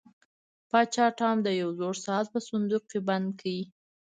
پاچا ټام د یو زوړ ساعت په صندوق کې بندي کړ.